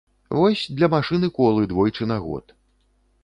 Вось, для машыны колы двойчы на год.